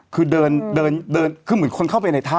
ดื่มเหมือนคนเข้าไปในถ้ำ